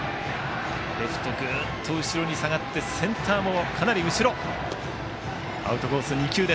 レフト、グッと後ろに下がってセンターもかなり後ろ。